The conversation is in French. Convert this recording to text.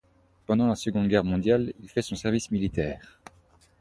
Pendant la Seconde Guerre mondiale, il fait son service militaire.